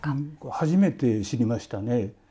初めて知りましたね。